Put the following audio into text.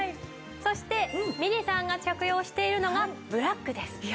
そしてみれさんが着用しているのがブラックです。